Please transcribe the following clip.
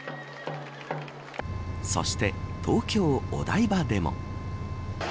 そして東京、お台場でも。